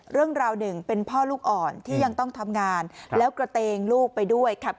เรื่องราวหนึ่งเป็นพ่อลูกอ่อนที่ยังต้องทำงานแล้วกระเตงลูกไปด้วยครับ